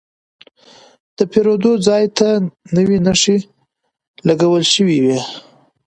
د پیرود ځای ته نوې نښې لګول شوې وې.